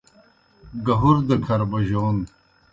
گہُر دہ کھرہ بوجون